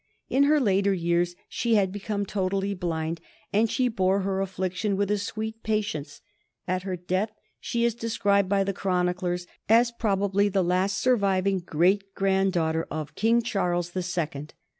In her later years she had become totally blind, and she bore her affliction with a sweet patience. At her death she is described by the chroniclers of the time as "probably the last surviving great grand daughter of King Charles the Second."